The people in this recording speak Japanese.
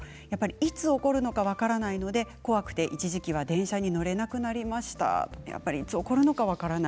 いつ起こるのか分からないので怖くて、一時期は電車に乗れなくなりました。